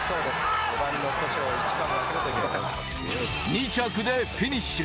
２着でフィニッシュ。